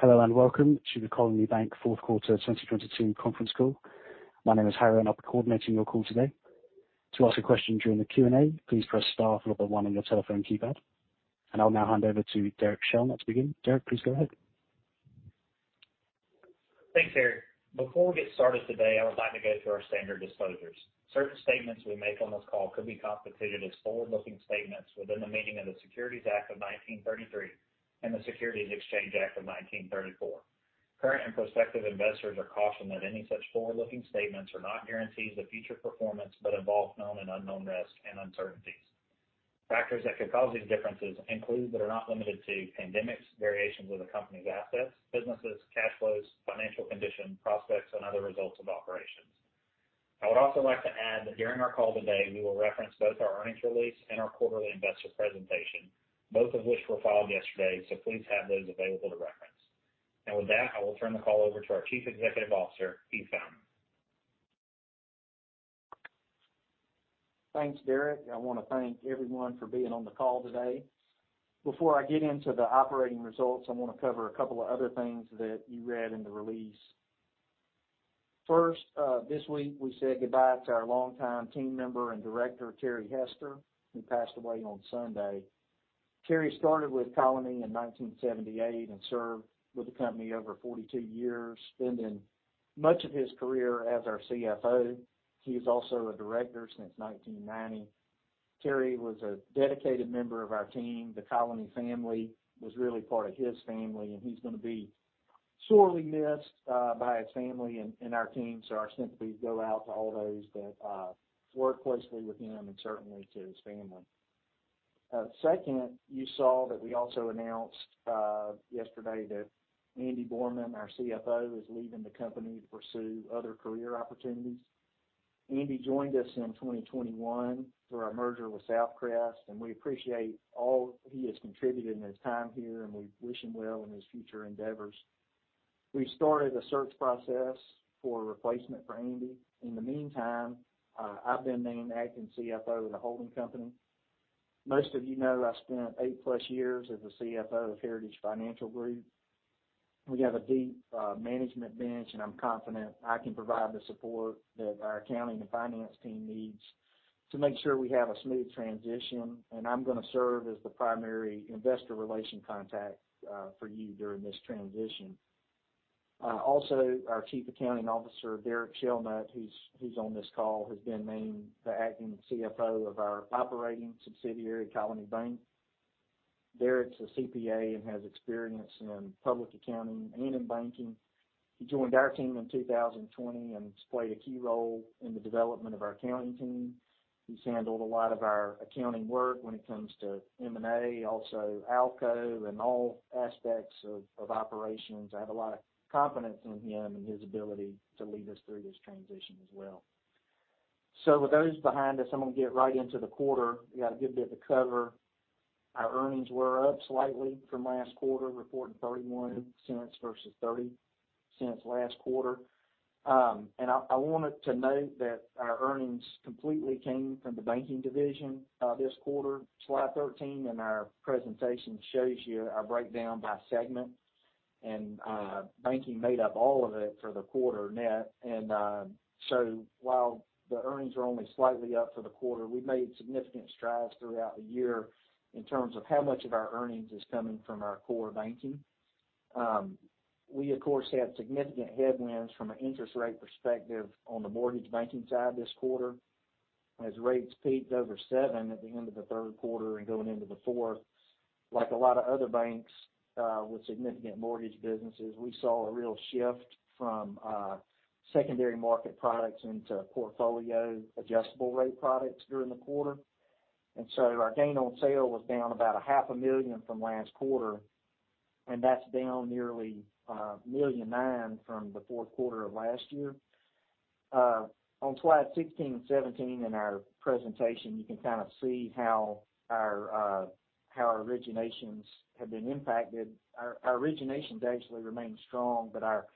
Hello, and welcome to the Colony Bank Fourth Quarter 2022 conference call. My name is Harry, and I'll be coordinating your call today. To ask a question during the Q&A, please press star followed by one on your telephone keypad. I'll now hand over to Derek Shelnutt to begin. Derek, please go ahead. Thanks, Harry. Before we get started today, I would like to go through our standard disclosures. Certain statements we make on this call could be constituted as forward-looking statements within the meaning of the Securities Act of 1933 and the Securities Exchange Act of 1934. Current and prospective investors are cautioned that any such forward-looking statements are not guarantees of future performance but involve known and unknown risks and uncertainties. Factors that could cause these differences include, but are not limited to pandemics, variations with the company's assets, businesses, cash flows, financial condition, prospects, and other results of operations. I would also like to add that during our call today, we will reference both our earnings release and our quarterly investor presentation, both of which were filed yesterday, so please have those available to reference. With that, I will turn the call over to our Chief Executive Officer, Heath Fountain. Thanks, Derek. I want to thank everyone for being on the call today. Before I get into the operating results, I want to cover a couple of other things that you read in the release. First, this week, we said goodbye to our longtime team member and director, Terry Hester, who passed away on Sunday. Terry started with Colony in 1978 and served with the company for over 42 years, spending much of his career as our CFO. He was also a director since 1990. Terry was a dedicated member of our team. The Colony family was really part of his family, and he's going to be sorely missed by his family and our team. Our sympathies go out to all those that worked closely with him and certainly to his family. Second, you saw that we also announced yesterday that Andy Borrmann, our CFO, is leaving the company to pursue other career opportunities. Andy joined us in 2021 through our merger with SouthCrest, and we appreciate all he has contributed in his time here. And we wish him well in his future endeavors. We started a search process for a replacement for Andy. In the meantime, I've been named acting CFO of the holding company. Most of you know I spent 8+ years as the CFO of Heritage Financial Group. We have a deep management bench, and I'm confident I can provide the support that our accounting and finance team needs to make sure we have a smooth transition, and I'm going to serve as the primary investor relations contact for you during this transition. Also, our Chief Accounting Officer, Derek Shelnutt, who's on this call, has been named the acting CFO of our operating subsidiary, Colony Bank. Derek's a CPA and has experience in public accounting and in banking. He joined our team in 2020 and has played a key role in the development of our accounting team. He's handled a lot of our accounting work when it comes to M&A, also ALCO, and all aspects of operations. I have a lot of confidence in him and his ability to lead us through this transition as well. With those behind us, I'm going to get right into the quarter. We got a good bit to cover. Our earnings were up slightly from last quarter, reporting $0.31 versus $0.30 last quarter. I wanted to note that our earnings completely came from the banking division this quarter. Slide 13 in our presentation shows you our breakdown by segment. Banking made up all of it for the quarter net. While the earnings are only slightly up for the quarter, we've made significant strides throughout the year in terms of how much of our earnings is coming from our core banking. We of course had significant headwinds from an interest rate perspective on the mortgage banking side this quarter. As rates peaked over seven at the end of the third quarter and going into the fourth, like a lot of other banks with significant mortgage businesses, we saw a real shift from secondary market products into portfolio adjustable rate products during the quarter. Our gain on sale was down about $500,000 from last quarter, and that's down nearly $1.9 million from the fourth quarter of last year. On slides 16 and 17 in our presentation, you can kind of see how our originations have been impacted. Our originations actually remain strong, but our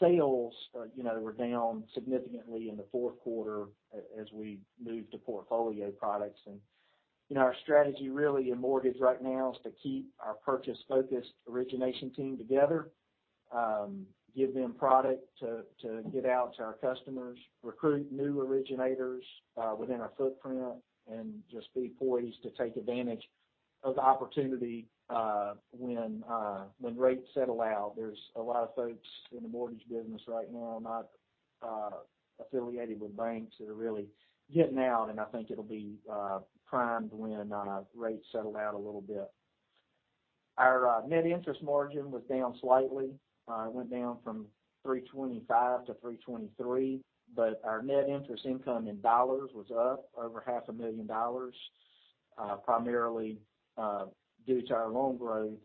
sales, you know, were down significantly in the fourth quarter as we moved to portfolio products. You know, our strategy really in mortgage right now is to keep our purchase-focused origination team together, give them product to get out to our customers, recruit new originators within our footprint, and just be poised to take advantage of opportunity when rates settle out. There's a lot of folks in the mortgage business right now, not affiliated with banks that are really getting out, and I think it'll be primed when rates settle out a little bit. Our net interest margin was down slightly. It went down from 3.25% to 3.23%, but our net interest income in dollars was up over $500,000, primarily due to our loan growth.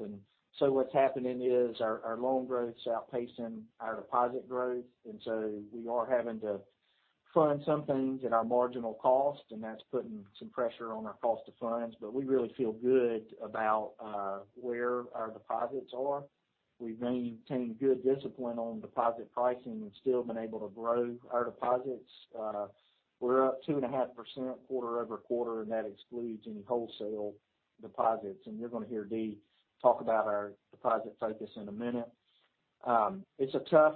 What's happening is our loan growth is outpacing our deposit growth, so we are having to fund some things at our marginal cost, that's putting some pressure on our cost to funds. We really feel good about where our deposits are. We've maintained good discipline on deposit pricing and still been able to grow our deposits. We're up 2.5% quarter-over-quarter, and that excludes any wholesale deposits. You're gonna hear D talk about our deposit focus in a minute. It's a tough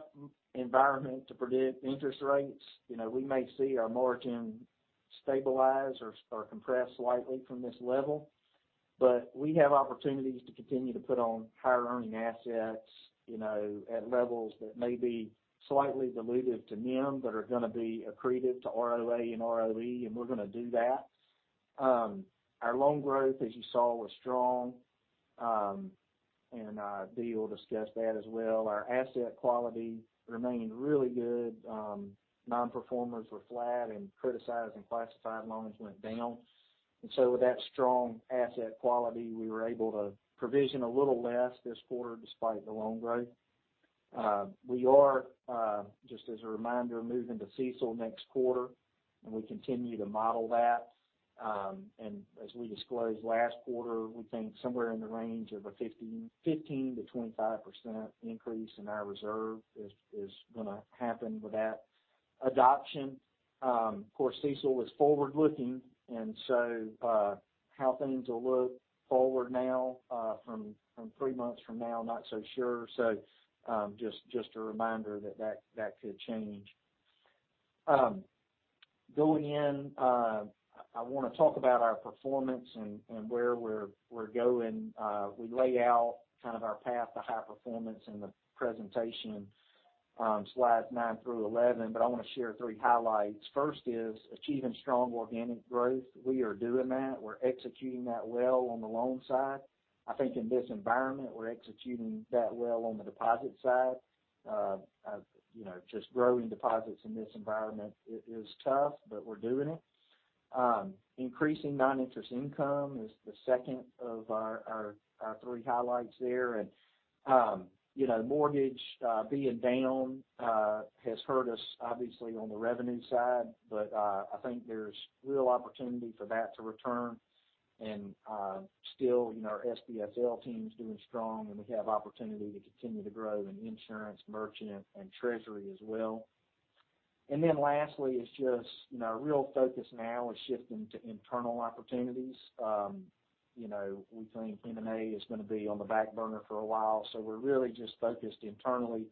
environment to predict interest rates. You know, we may see our margin stabilize or compress slightly from this level, but we have opportunities to continue to put on higher earning assets, you know, at levels that may be slightly dilutive to NIM, but are gonna be accretive to ROA and ROE, and we're gonna do that. Our loan growth, as you saw, was strong, and D. will discuss that as well. Our asset quality remained really good. Nonperformers were flat, and criticized and classified loans went down. With that strong asset quality, we were able to provision a little less this quarter despite the loan growth. We are, just as a reminder, moving to CECL next quarter, and we continue to model that. As we disclosed last quarter, we think somewhere in the range of a 15%-25% increase in our reserve is gonna happen with that adoption. Of course, CECL is forward-looking, and so, how things will look forward now, from three months from now, not so sure. Just a reminder that that could change. Going in, I wanna talk about our performance and where we're going. We lay out kind of our path to high performance in the presentation, slides nine through 11, but I wanna share three highlights. First is achieving strong organic growth. We are doing that. We're executing that well on the loan side. I think in this environment, we're executing that well on the deposit side. you know, just growing deposits in this environment is tough, but we're doing it. Increasing non-interest income is the second of our three highlights there. You know, mortgage being down has hurt us obviously on the revenue side, but I think there's real opportunity for that to return. still, you know, our SBSL team's doing strong, and we have opportunity to continue to grow in insurance, merchant, and treasury as well. lastly is just, you know, our real focus now is shifting to internal opportunities. You know, we think M&A is gonna be on the back burner for a while, so we're really just focused internally.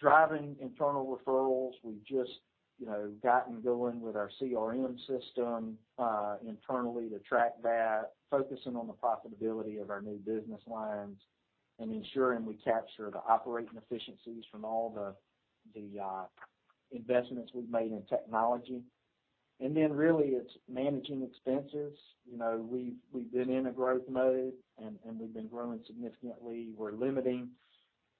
Driving internal referrals, we've just, you know, gotten going with our CRM system internally to track that, focusing on the profitability of our new business lines, ensuring we capture the operating efficiencies from all the investments we've made in technology. Really, it's managing expenses. You know, we've been in a growth mode, and we've been growing significantly. We're limiting,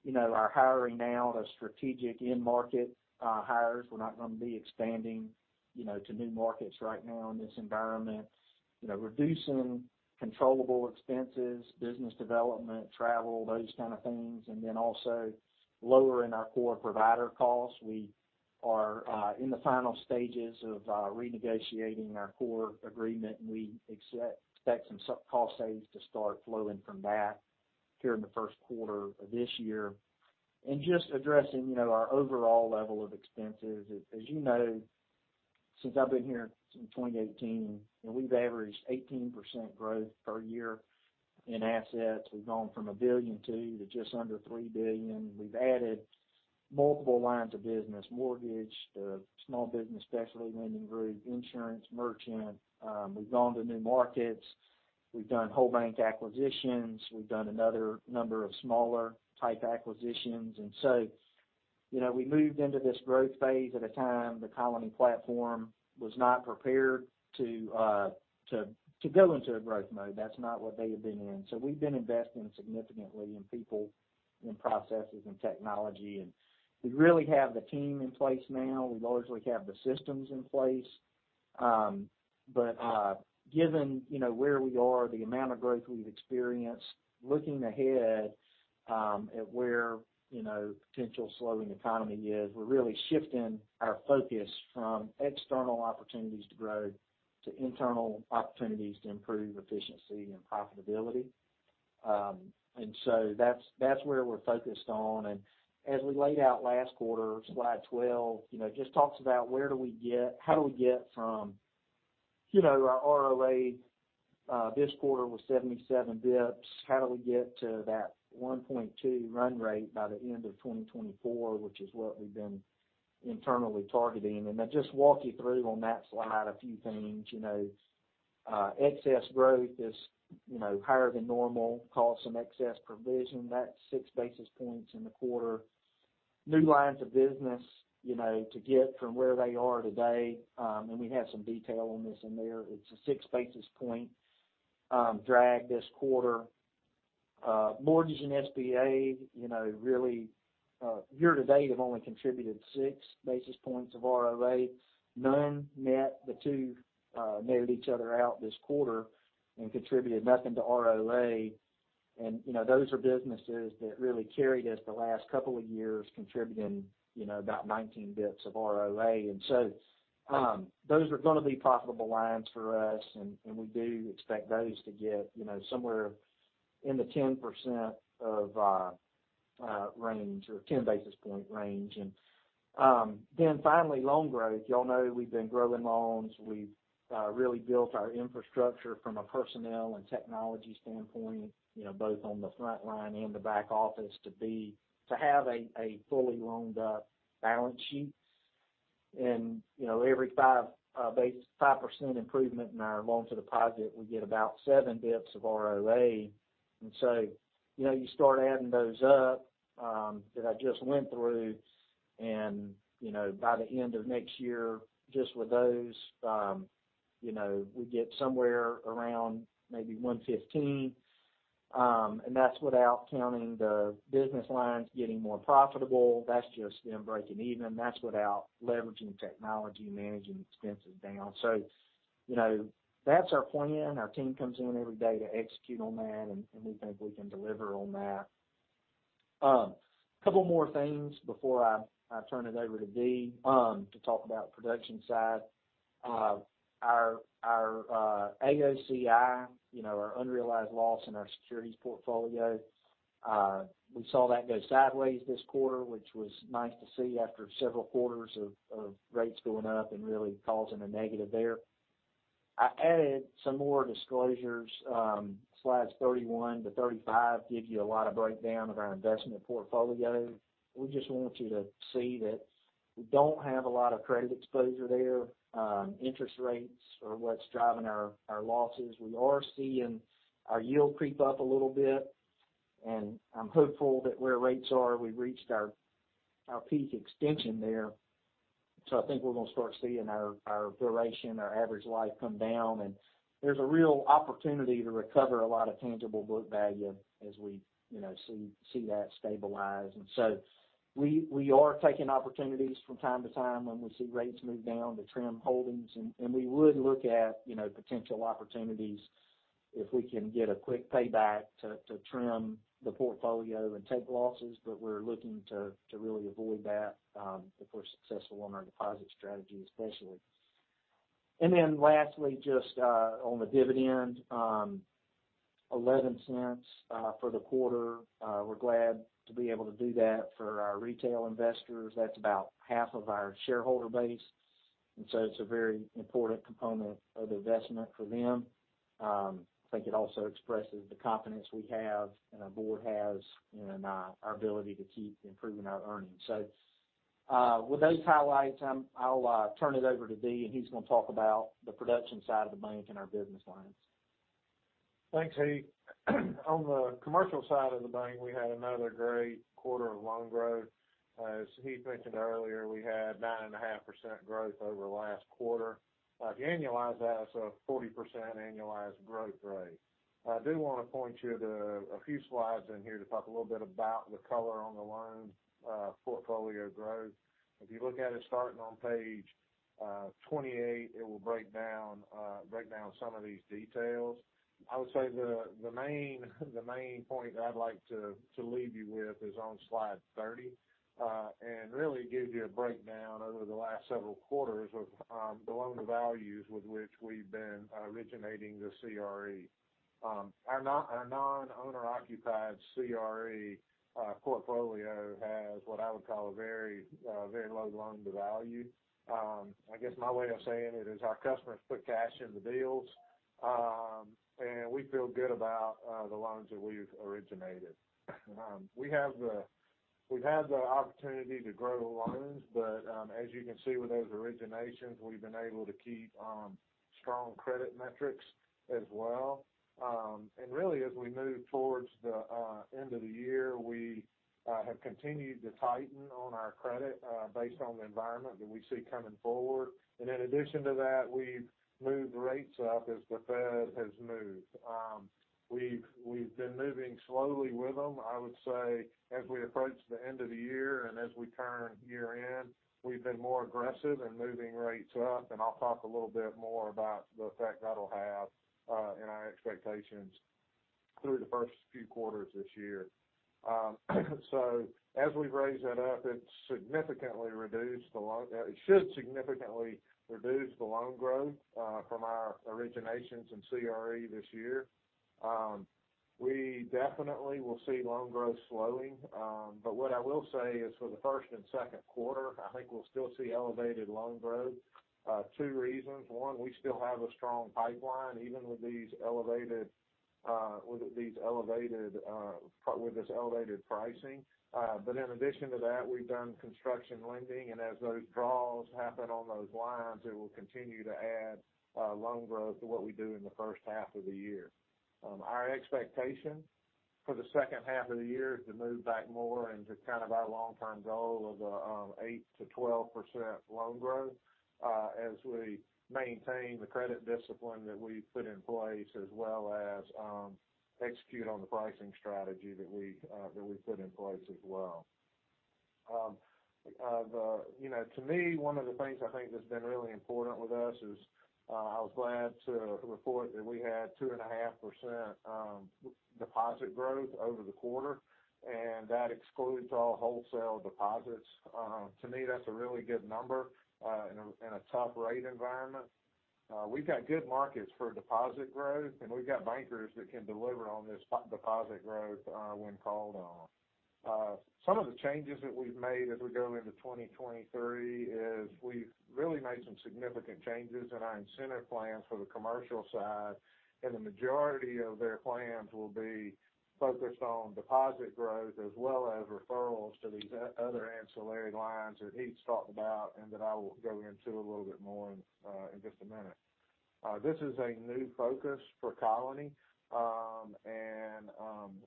you know, our hiring now to strategic end market hires. We're not gonna be expanding, you know, to new markets right now in this environment. You know, reducing controllable expenses, business development, travel, those kind of things. Also, lowering our core provider costs. We are in the final stages of renegotiating our core agreement, and we expect some sub-cost saves to start flowing from that here in the first quarter of this year. Just addressing, you know, our overall level of expenses. As you know, since I've been here since 2018, we've averaged 18% growth per year in assets. We've gone from $1.2 billion to just under $3 billion. We've added multiple lines of business, mortgage, the Small Business Specialty Lending group, insurance, merchant. We've gone to new markets. We've done whole bank acquisitions. We've done another number of smaller type acquisitions. You know, we moved into this growth phase at a time the Colony platform was not prepared to go into a growth mode. That's not what they had been in. We've been investing significantly in people, in processes, and technology, and we really have the team in place now. We largely have the systems in place. Given, you know, where we are, the amount of growth we've experienced, looking ahead, at where, you know, potential slowing economy is, we're really shifting our focus from external opportunities to grow to internal opportunities to improve efficiency and profitability. That's where we're focused on. As we laid out last quarter, slide 12, you know, just talks about how do we get from, you know, our ROA this quarter was 77 basis points, how do we get to that 1.2 run rate by the end of 2024, which is what we've been internally targeting. I'll just walk you through on that slide a few things. You know, excess growth is, you know, higher than normal, caused some excess provision. That's 6 basis points in the quarter. New lines of business, you know, to get from where they are today, we have some detail on this in there, it's a 6 basis point drag this quarter. Mortgage and SBA, you know, really, year to date have only contributed 6 basis points of ROA. None net, the two netted each other out this quarter and contributed nothing to ROA. You know, those are businesses that really carried us the last couple of years, contributing, you know, about 19 basis points of ROA. Those are gonna be profitable lines for us, and we do expect those to get, you know, somewhere in the 10% of range or 10 basis point range. Finally, loan growth. Y'all know we've been growing loans. We've really built our infrastructure from a personnel and technology standpoint, you know, both on the front line and the back office to have a fully loaned-up balance sheet. You know, every 5% improvement in our loan-to -deposit, we get about 7 basis points of ROA. You know, you start adding those up that I just went through and, you know, by the end of next year, just with those, you know, we get somewhere around maybe 115. And that's without counting the business lines getting more profitable. That's just them breaking even, and that's without leveraging technology, managing expenses down. You know, that's our plan. Our team comes in every day to execute on that, and we think we can deliver on that. A Couple more things before I turn it over to D., to talk about production side. Our AOCI, you know, our unrealized loss in our securities portfolio, we saw that go sideways this quarter, which was nice to see after several quarters of rates going up and really causing a negative there. I added some more disclosures. Slides 31 to 35 give you a lot of breakdown of our investment portfolio. We just want you to see that we don't have a lot of credit exposure there. Interest rates are what's driving our losses. We are seeing our yield creep up a little bit, and I'm hopeful that where rates are, we've reached our peak extension there. I think we're gonna start seeing our duration, our average life come down, and there's a real opportunity to recover a lot of tangible book value as we, you know, see that stabilize. We are taking opportunities from time to time when we see rates move down to trim holdings. We would look at, you know, potential opportunities if we can get a quick payback to trim the portfolio and take losses. We're looking to really avoid that if we're successful on our deposit strategy, especially. Lastly, just on the dividend, $0.11 for the quarter. We're glad to be able to do that for our retail investors. That's about half of our shareholder base, and so it's a very important component of investment for them. I think it also expresses the confidence we have and our board has in our ability to keep improving our earnings. With those highlights, I'll turn it over to D., and he's gonna talk about the production side of the bank and our business lines. Thanks, Heath. On the commercial side of the bank, we had another great quarter of loan growth. As Heath mentioned earlier, we had 9.5% growth over last quarter. If you annualize that, it's a 40% annualized growth rate. I do wanna point you to a few slides in here to talk a little bit about the color on the loan portfolio growth. If you look at it starting on page 28, it will break down some of these details. I would say the main point that I'd like to leave you with is on slide 30. Really gives you a breakdown over the last several quarters of the loan-to-values with which we've been originating the CRE. Our non-owner-occupied CRE portfolio has what I would call a very low loan-to-value. I guess my way of saying it is our customers put cash in the deals, and we feel good about the loans that we've originated. We've had the opportunity to grow the loans, but as you can see with those originations, we've been able to keep strong credit metrics as well. Really, as we move towards the end of the year, we have continued to tighten on our credit based on the environment that we see coming forward. In addition to that, we've moved rates up as the Fed has moved. We've been moving slowly with them. Approach the end of the year and as we turn year-end, we've been more aggressive in moving rates up, and I'll talk a little bit more about the effect that'll have in our expectations through the first few quarters this year. So as we've raised that up, it's significantly reduced the loan— it should significantly reduce the loan growth from our originations in CRE this year. We definitely will see loan growth slowing. But what I will say is for the first and second quarter, I think we'll still see elevated loan growth. Two reasons. One, we still have a strong pipeline, even with these elevated, with these elevated, with this elevated pricing In addition to that, we've done construction lending, and as those draws happen on those lines, it will continue to add loan growth to what we do in the first half of the year. Our expectation for the second half of the year is to move back more into kind of our long-term goal of 8% to 12% loan growth, as we maintain the credit discipline that we've put in place as well as execute on the pricing strategy that we've put in place as well. You know, to me, one of the things I think that's been really important with us is, I was glad to report that we had two and a half percent deposit growth over the quarter, and that excludes all wholesale deposits. To me, that's a really good number in a tough rate environment. We've got good markets for deposit growth, and we've got bankers that can deliver on this deposit growth when called on. Some of the changes that we've made as we go into 2023 is we've really made some significant changes in our incentive plans for the commercial side, and the majority of their plans will be focused on deposit growth as well as referrals to these other ancillary lines that Heath talked about and that I will go into a little bit more in just a minute. This is a new focus for Colony,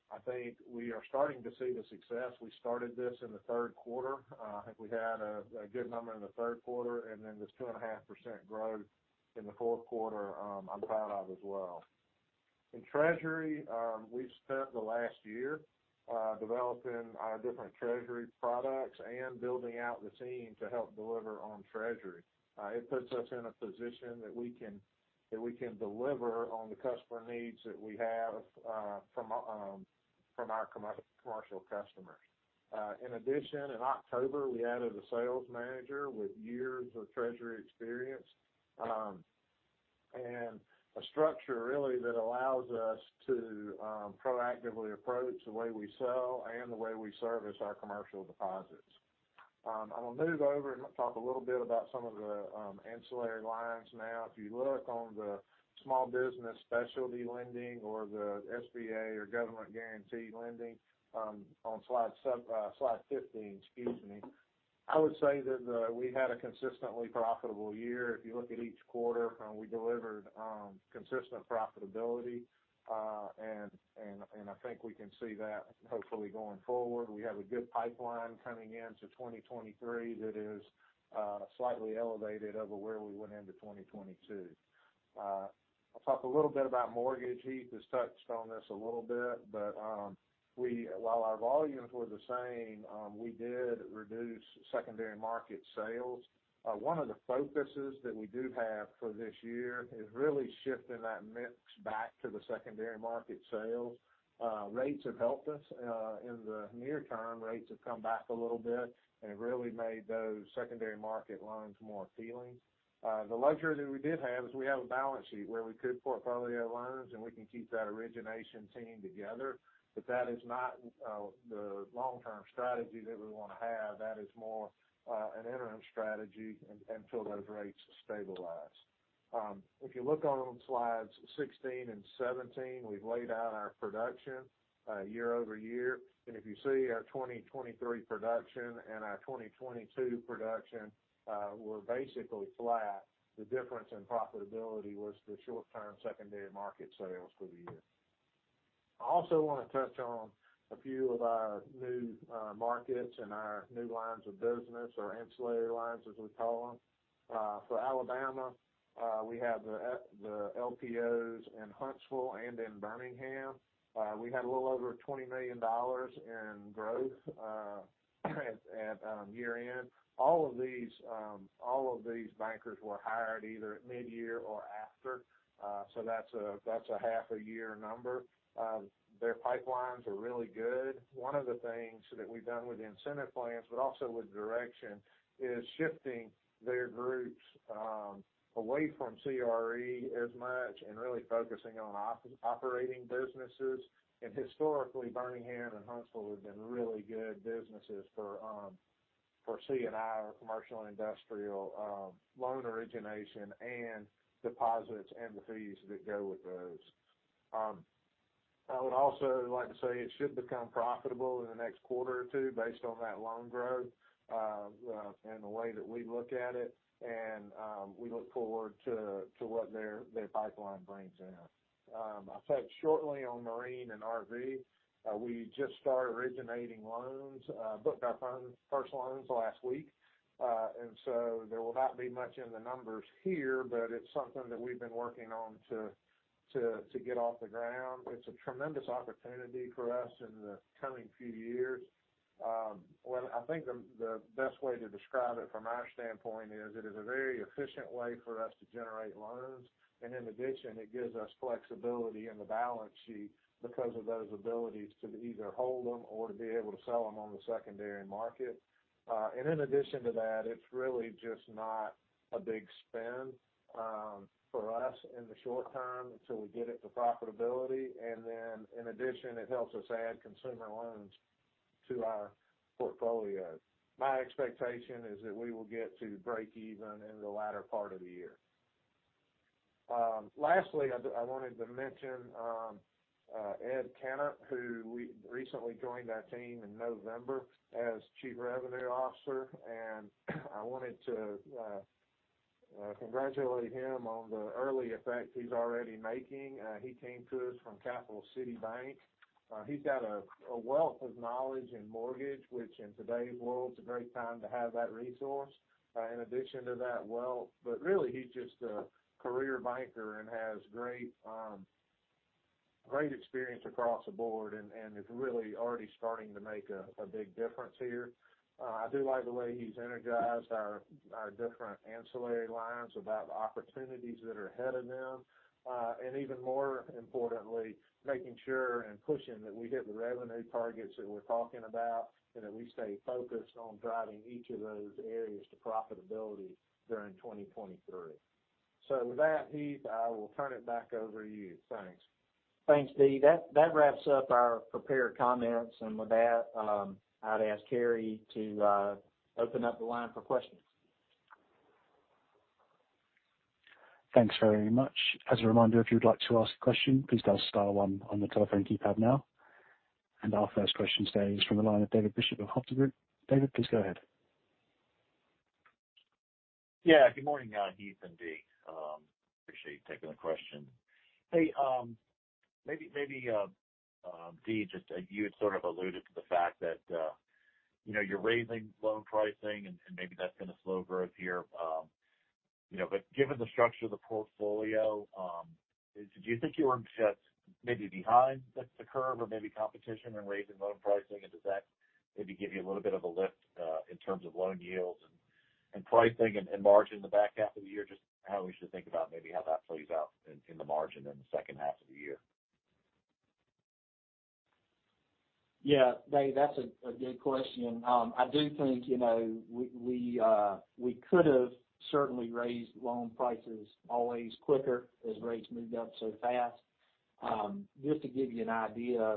I think we are starting to see the success. We started this in the third quarter. I think we had a good number in the third quarter. This 2.5% growth in the fourth quarter, I'm proud of as well. In treasury, we've spent the last year developing our different treasury products and building out the team to help deliver on treasury. It puts us in a position that we can deliver on the customer needs that we have from our commercial customers. In addition, in October, we added a sales manager with years of treasury experience and a structure really that allows us to proactively approach the way we sell and the way we service our commercial deposits. I'm gonna move over and talk a little bit about some of the ancillary lines now. If you look on the Small Business Specialty Lending or the SBA or government-guaranteed lending, on slide 15, excuse me, I would say that we had a consistently profitable year. If you look at each quarter, we delivered consistent profitability, and I think we can see that hopefully going forward. We have a good pipeline coming into 2023 that is slightly elevated over where we went into 2022. I'll talk a little bit about mortgage. Heath has touched on this a little bit, but while our volumes were the same, we did reduce secondary market sales. One of the focuses that we do have for this year is really shifting that mix back to the secondary market sales. Rates have helped us in the near term. Rates have come back a little bit and really made those secondary market loans more appealing. The luxury that we did have is we have a balance sheet where we could portfolio loans, and we can keep that origination team together. That is not the long-term strategy that we wanna have. That is more an interim strategy until those rates stabilize. If you look on slides 16 and 17, we've laid out our production year-over-year. If you see our 2023 production and our 2022 production were basically flat, the difference in profitability was the short-term secondary market sales for the year. I also wanna touch on a few of our new markets and our new lines of business, or ancillary lines, as we call them. For Alabama, we have the LPOs in Huntsville and in Birmingham. We had a little over $20 million in growth at year-end. All of these bankers were hired either at midyear or after, that's a half a year number. Their pipelines are really good. One of the things that we've done with incentive plans, but also with direction, is shifting their groups away from CRE as much and really focusing on operating businesses. Historically, Birmingham and Huntsville have been really good businesses for C&I, or commercial and industrial, loan origination and deposits, and the fees that go with those. I would also like to say it should become profitable in the next quarter or two based on that loan growth, and the way that we look at it, and we look forward to what their pipeline brings in. I'll touch shortly on marine and RV. We just started originating loans, booked our first loans last week. There will not be much in the numbers here, but it's something that we've been working on to get off the ground. It's a tremendous opportunity for us in the coming few years. Well, I think the best way to describe it from our standpoint is it is a very efficient way for us to generate loans. In addition, it gives us flexibility in the balance sheet because of those abilities to either hold them or to be able to sell them on the secondary market. In addition to that, it's really just not a big spend for us in the short term until we get it to profitability. In addition, it helps us add consumer loans to our portfolio. My expectation is that we will get to breakeven in the latter part of the year. Lastly, I wanted to mention Ed Kennett, who recently joined our team in November as Chief Revenue Officer, and I wanted to congratulate him on the early effect he's already making. He came to us from Capital City Bank. He's got a wealth of knowledge in mortgage, which in today's world, it's a great time to have that resource. In addition to that wealth. Really, he's just a career banker and has great experience across the board and is really already starting to make a big difference here. I do like the way he's energized our different ancillary lines about the opportunities that are ahead of them. Even more importantly, making sure, and pushing that we hit the revenue targets that we're talking about and that we stay focused on driving each of those areas to profitability during 2023. With that, Heath, I will turn it back over to you. Thanks. Thanks, D. That wraps up our prepared comments. With that, I'd ask Harry to open up the line for questions. Thanks very much. As a reminder, if you'd like to ask a question, please dial star one on the telephone keypad now. Our first question today is from the line of David Bishop of Hovde Group. David, please go ahead. Yeah, good morning, Heath and D. Appreciate you taking the question. Hey, maybe, D., just, you had sort of alluded to the fact that, you know, you're raising loan pricing and maybe that's been a slow growth here, you know. Given the structure of the portfolio, do you think you were maybe behind the curve or maybe competition in raising loan pricing? Does that maybe give you a little bit of a lift, in terms of loan yields and pricing and margin in the back half of the year? Just how we should think about maybe how that plays out in the margin in the second half of the year. Yeah, Dave, that's a good question. I do think, you know, we could have certainly raised loan prices always quicker as rates moved up so fast. Just to give you an idea,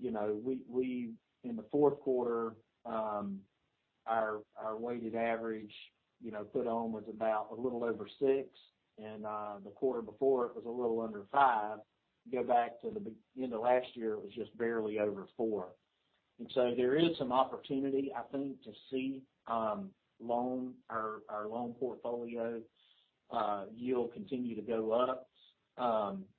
you know, in the fourth quarter, our weighted average, you know, put on was about a little over 6%, and the quarter before, it was a little under 5%. Go back to the end of last year, it was just barely over 4%. There is some opportunity, I think, to see loan or our loan portfolio yield continue to go up.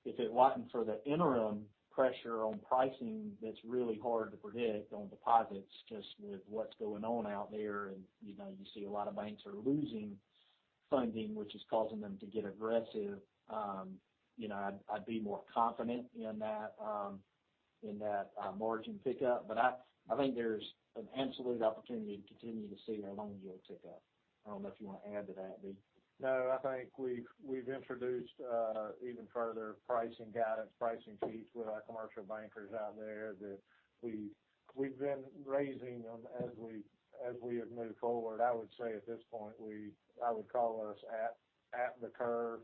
If it wasn't for the interim pressure on pricing that's really hard to predict on deposits just with what's going on out there, and, you know, you see a lot of banks are losing funding, which is causing them to get aggressive, you know, I'd be more confident in that, in that margin pickup. I think there's an absolute opportunity to continue to see our loan yield tick up. I don't know if you wanna add to that, D.? No, I think we've introduced even further pricing guidance, pricing fees with our commercial bankers out there, that we've been raising them as we have moved forward. I would say at this point, I would call us at the curve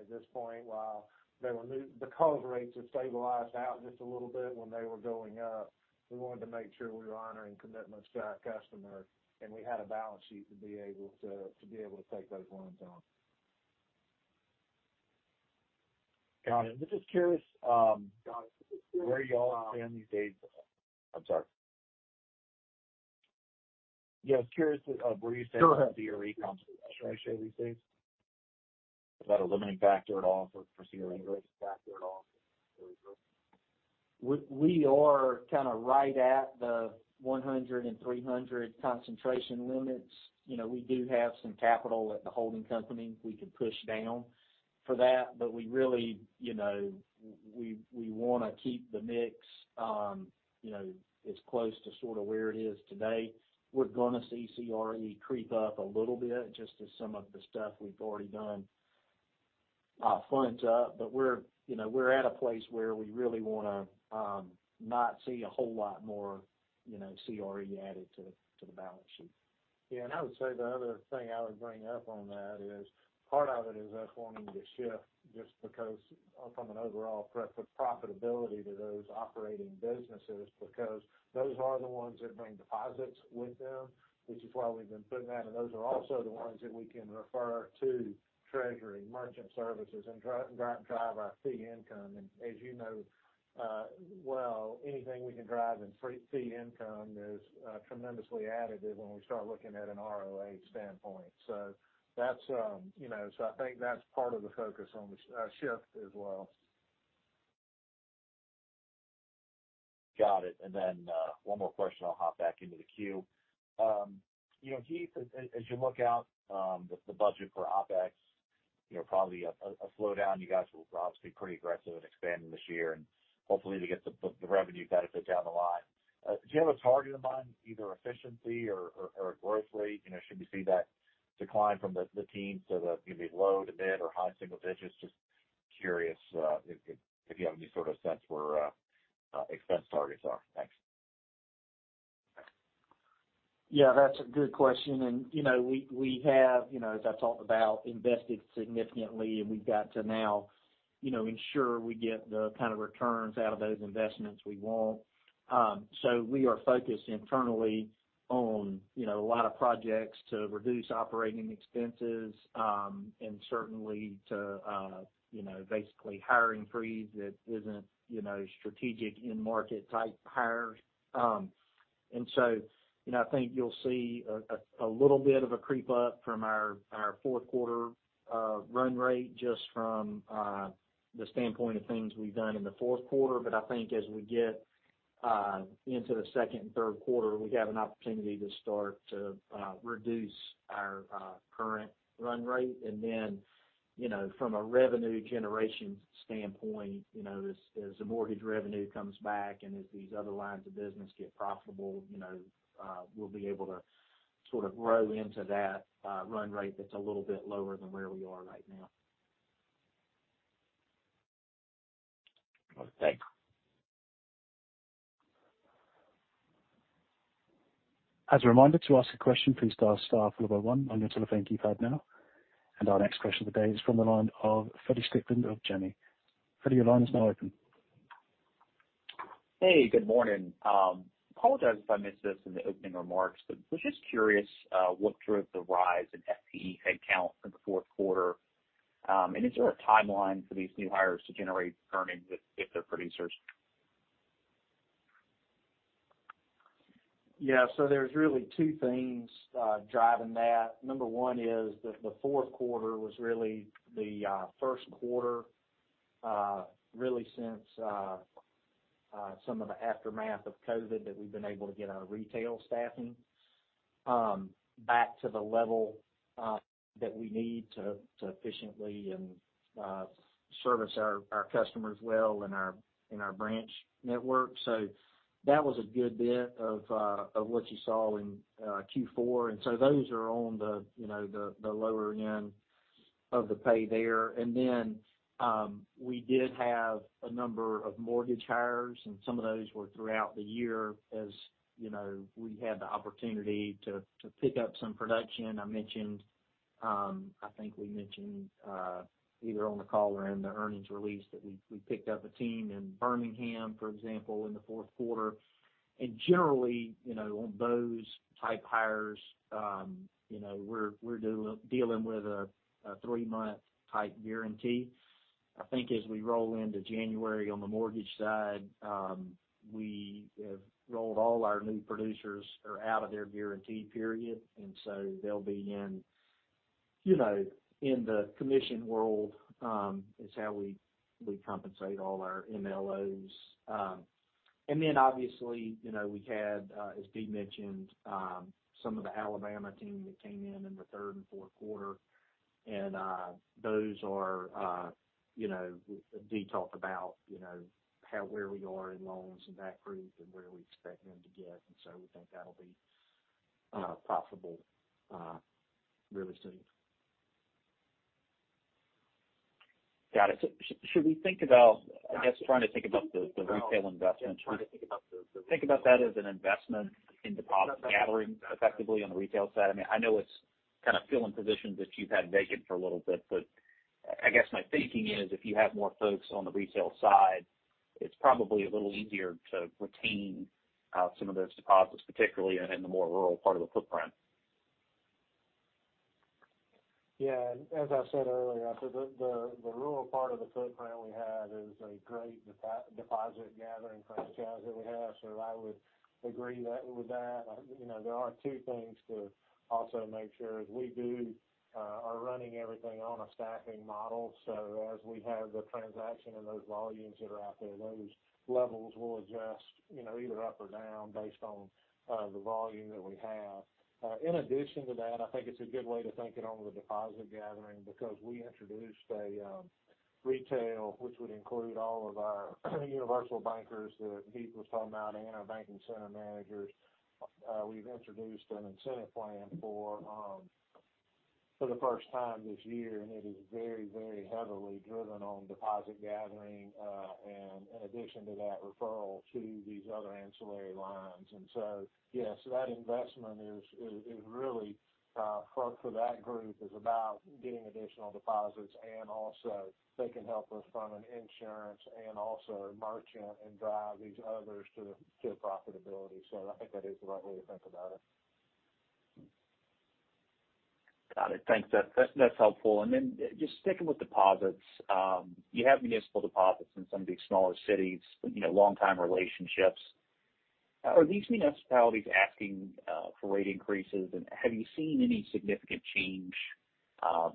at this point. While there were because rates have stabilized out just a little bit when they were going up, we wanted to make sure we were honoring commitments to our customers, and we had a balance sheet to be able to take those loans on. Got it. I'm just curious, where y'all stand these days. I'm sorry. Yeah, curious. Go ahead. With CRE concentrations these days. Is that a limiting factor at all for CRE? We are kinda right at the 100 and 300 concentration limits. You know, we do have some capital at the holding company, we can push down for that. We really, you know, we wanna keep the mix, you know, as close to sorta where it is today. We're gonna see CRE creep up a little bit, just as some of the stuff we've already done, funds up. We're, you know, we're at a place where we really wanna not see a whole lot more, you know, CRE added to the balance sheet. Yeah, I would say the other thing I would bring up on that is part of it is us wanting to shift just because from an overall pre- profitability to those operating businesses, because those are the ones that bring deposits with them, which is why we've been putting that in. Those are also the ones that we can refer to treasury and merchant services and drive our fee income. As you know, well, anything we can drive in fee income is tremendously additive when we start looking at an ROA standpoint. That's, you know, I think that's part of the focus on the shift as well. Got it. One more question, I'll hop back into the queue. You know, Heath, as you look out, the budget for OpEx, you know, probably a slowdown, you guys were obviously pretty aggressive in expanding this year and hopefully to get the revenue benefits down the line. Do you have a target in mind, either efficiency or a growth rate? You know, should we see that decline from the team so that it's going to be low to mid or high single digits? Just curious, if you have any sort of sense where expense targets are. Thanks. Yeah, that's a good question. You know, we have, you know, as I talked about, invested significantly, and we've got to now, you know, ensure we get the kind of returns out of those investments we want. We are focused internally on, you know, a lot of projects to reduce operating expenses, and certainly to, you know, basically hiring freeze that isn't, you know, strategic in-market type hires. You know, I think you'll see a little bit of a creep up from our fourth quarter run rate just from the standpoint of things we've done in the fourth quarter. I think as we get into the second and third quarter, we have an opportunity to start to reduce our current run rate. You know, from a revenue generation standpoint, you know, as the mortgage revenue comes back and as these other lines of business get profitable, you know, we'll be able to sort of grow into that run rate that's a little bit lower than where we are right now. Okay. As a reminder, to ask a question, please dial star four oh one on your telephone keypad now. Our next question of the day is from the line of Freddie Strickland of Janney. Freddie, your line is now open. Hey, good morning. Apologize if I missed this in the opening remarks, but was just curious, what drove the rise in FTE headcount in the fourth quarter? Is there a timeline for these new hires to generate earnings if they're producers? Yeah. There's really two things driving that. Number one is that the fourth quarter was really the first quarter really, since some of the aftermath of COVID that we've been able to get our retail staffing back to the level that we need to efficiently, and service our customers well in our branch network. That was a good bit of what you saw in Q4. Those are on the, you know, the lower end of the pay there. We did have a number of mortgage hires, and some of those were throughout the year. As you know, we had the opportunity to pick up some production. I mentioned, I think we mentioned, either on the call or in the earnings release, that we picked up a team in Birmingham, for example, in the fourth quarter. Generally, you know, on those type hires, you know, we're dealing with a three-month type guarantee. I think as we roll into January on the mortgage side, we have rolled all our new producers are out of their guaranteed period, so they'll be in, you know, in the commission world, is how we compensate all our MLOs. Then obviously, you know, we had, as D. mentioned, some of the Alabama team that came in in the third and fourth quarter. Those are, you know, D. talked about, you know, how, where we are in loans in that group and where we expect them to get. We think that'll be profitable really soon. Got it. Should we think about, I guess, trying to think about the retail investments. Think about that as an investment in deposit gathering effectively on the retail side? I mean, I know it's kind of filling positions that you've had vacant for a little bit, but I guess my thinking is if you have more folks on the retail side, it's probably a little easier to retain some of those deposits, particularly in the more rural part of the footprint. Yeah. As I said earlier, the, the rural part of the footprint we have is a great deposit gathering franchise that we have. I would agree that, with that. You know, there are two things to also make sure, is we do are running everything on a staffing model. As we have the transaction and those volumes that are out there, those levels will adjust, you know, either up or down based on the volume that we have. In addition to that, I think it's a good way to think it on the deposit gathering because we introduced a retail, which would include all of our universal bankers that Heath was talking about and our banking center managers. We've introduced an incentive plan for the first time this year, and it is very heavily driven on deposit gathering, and in addition to that, referral to these other ancillary lines. Yes, that investment is really for that group, is about getting additional deposits. They can help us fund an insurance and also merchant and drive these others to profitability. I think that is the right way to think about it. Got it. Thanks. That's helpful. Just sticking with deposits, you have municipal deposits in some of these smaller cities, you know, long-time relationships. Are these municipalities asking for rate increases? Have you seen any significant change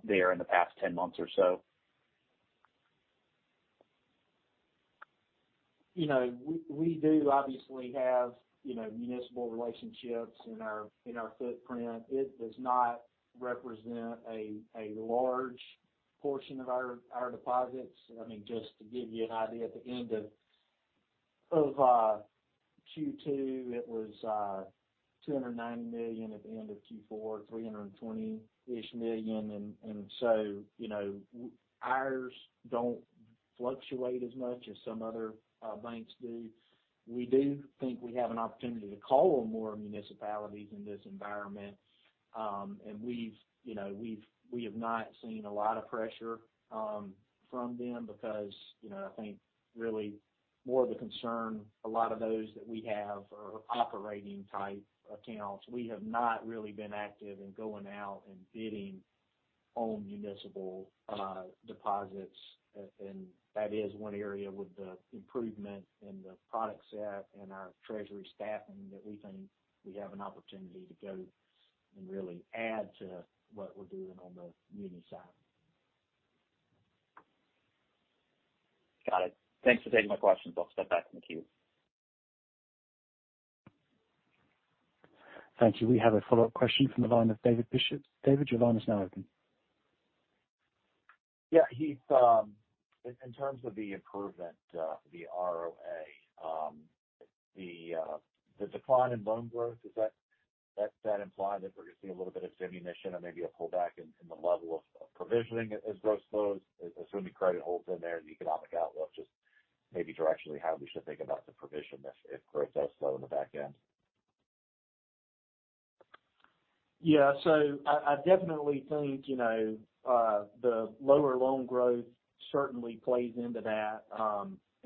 there in the past 10 months or so? You know, we do obviously have, you know, municipal relationships in our footprint. It does not represent a large portion of our deposits. I mean, just to give you an idea, at the end of Q2, it was $290 million. At the end of Q4, $320-ish million. So, you know, ours don't fluctuate as much as some other banks do. We do think we have an opportunity to call on more municipalities in this environment. And we've, you know, we've not seen a lot of pressure from them because, you know, I think really more of the concern, a lot of those that we have are operating type accounts. We have not really been active in going out and bidding on municipal deposits. That is one area with the improvement in the product set and our treasury staffing that we think we have an opportunity to go and really add to what we're doing on the muni side. Got it. Thanks for taking my questions. I'll step back in the queue. Thank you. We have a follow-up question from the line of David Bishop. David, your line is now open. Yeah, Heath, in terms of the improvement, the ROA, the decline in loan growth, is that, does that imply that we're going to see a little bit of diminution or maybe a pullback in the level of provisioning as growth slows, assuming credit holds in there and the economic outlook Maybe directionally how we should think about the provision if growth does slow in the back end? I definitely think, you know, the lower loan growth certainly plays into that.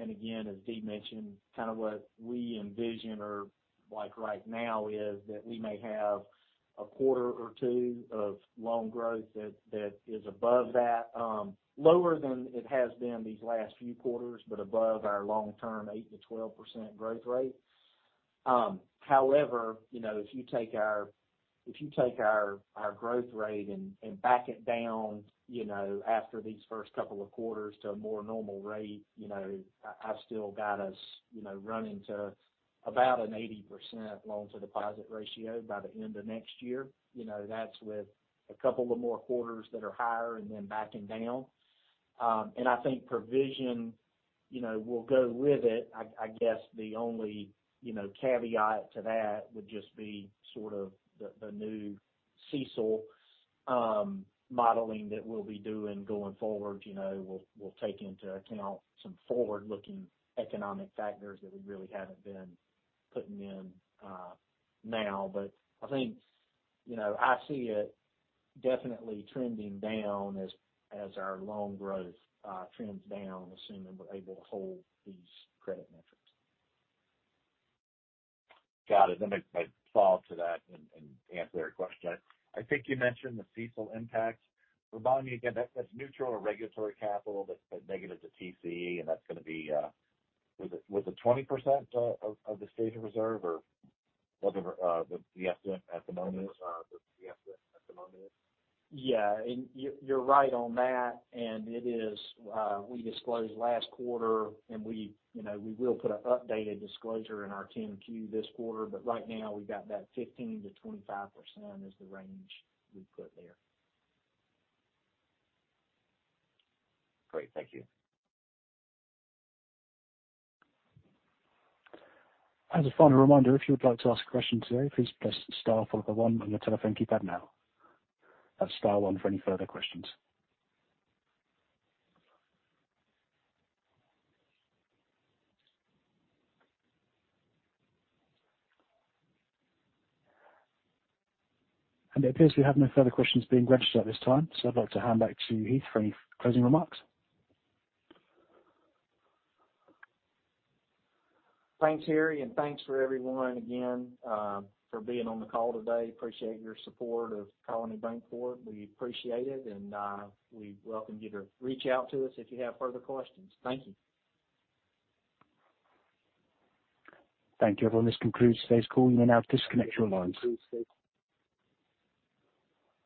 Again, as D. mentioned, kind of what we envision or like right now is that we may have a quarter or two of loan growth that is above that, lower than it has been these last few quarters, but above our long-term 8%-12% growth rate. However, you know, if you take our, if you take our growth rate and back it down, you know, after these first couple of quarters to a more normal rate, you know, I've still got us, you know, running to about an 80% loan to deposit ratio by the end of next year. You know, that's with a couple of more quarters that are higher and then backing down. I think provision, you know, will go with it. I guess the only, you know, caveat to that would just be sort of the new CECL modeling that we'll be doing going forward. You know, we'll take into account some forward-looking economic factors that we really haven't been putting in now. I think, you know, I see it definitely trending down as our loan growth trends down, assuming we're able to hold these credit metrics. Got it. Let me make a follow-up to that and answer your question. I think you mentioned the CECL impact. Remind me again, that's neutral or regulatory capital that's negative to TCE, and that's gonna be, was it 20% of the stated reserve or whatever, the estimate at the moment is? Yeah. And you're right on that. It is, we disclosed last quarter, and we, you know, we will put an updated disclosure in our 10-Q this quarter, but right now we've got that 15%-25% is the range we put there. Great. Thank you. As a final reminder, if you would like to ask a question today, please press star followed by one on your telephone keypad now. That's star one for any further questions. It appears we have no further questions being registered at this time, so I'd like to hand back to Heath for any closing remarks. Thanks, Harry, and thanks for everyone again, for being on the call today. Appreciate your support of Colony Bankcorp. We appreciate it. We welcome you to reach out to us if you have further questions. Thank you. Thank you, everyone. This concludes today's call. You may now disconnect your lines.